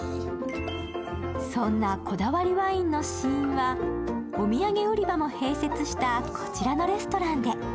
そんなこだわりわいん試飲はお土産売り場も併設したこちらのレストランで。